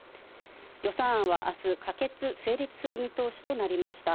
予算案はあす、可決・成立する見通しとなりました。